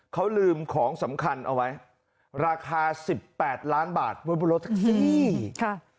เขาลืมของสำคัญเอาไว้ราคาสิบแปดล้านบาทไว้บนรถแท็กซี่ค่ะ